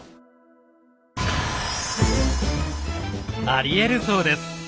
ありえるそうです。